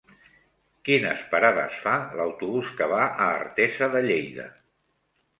Quines parades fa l'autobús que va a Artesa de Lleida?